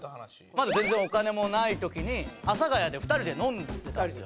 まだ全然お金もない時に阿佐ヶ谷で２人で飲んでたんですよ。